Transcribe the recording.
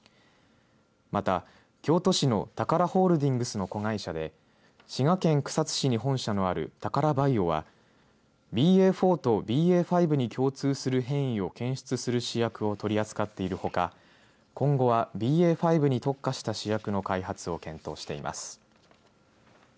また、京都市の宝ホールディングスの子会社で滋賀県草津市に本社のあるタカラバイオはＢＡ．４とＢＡ．５に共通する変異を検出する試薬を取り扱っているほか今後はＢＡ．５に特化した試薬の開発を検討しています。